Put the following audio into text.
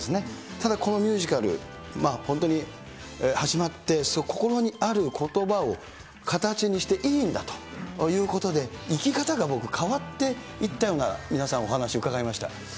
ただこのミュージカル、本当に始まって心にあることばを形にしていいんだということで、生き方が僕、変わっていったような、皆さん、お話を伺いました。